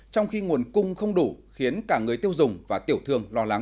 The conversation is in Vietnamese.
trong khi nguồn cung không đủ khiến cả người tiêu dùng và tiểu thương lo lắng